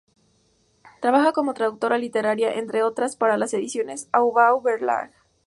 Trabaja como traductora literaria, entre otras, para las ediciones Aufbau-Verlag.